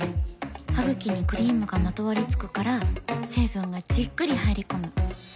ハグキにクリームがまとわりつくから成分がじっくり入り込む。